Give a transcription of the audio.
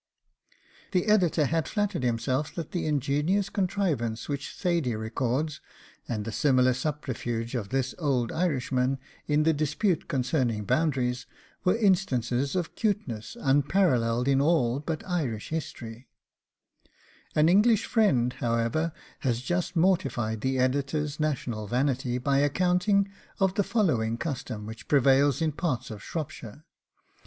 The Editor had flattered himself that the ingenious contrivance which Thady records, and the similar subterfuge of this old Irishman, in the dispute concerning boundaries, were instances of 'CUTENESS unparalleled in all but Irish story: an English friend, however, has just mortified the Editor's national vanity by an account of the following custom, which prevails in part of Shropshire.